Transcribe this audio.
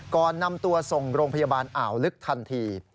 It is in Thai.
ก่อนนำตัวส่งโรงพยาบาลอ่าวลึกทันที